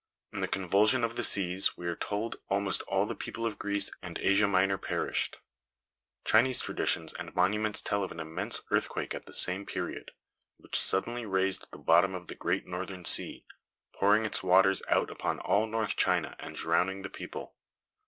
In the convulsion of the seas, we are told almost all the people of Greece and Asia Minor perished. Chinese traditions and monuments tell of an immense earthquake at the same period, which suddenly raised the bottom of the great Northern Sea, pouring its waters out upon all North China and drowning the people.